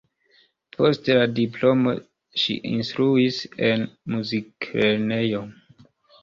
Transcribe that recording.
Post la diplomo ŝi instruis en muziklernejo.